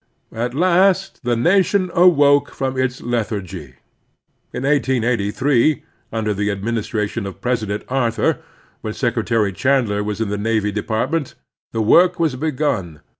At last the nation awoke from its lethargy. In 1883, imder the administration of President Arthur, when Secretary Chandler was in the Navy Department, the work was begun.